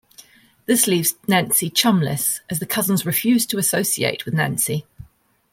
This leaves Nancy chumless, as the cousins refuse to associate with Nancy.